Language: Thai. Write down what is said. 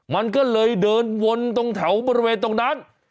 มันก็เลยเดินวนตรงแถวบริเวณตรงนั้น